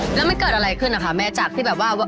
แล้วมันเกิดอะไรขึ้นนะคะแม่จากที่แบบว่า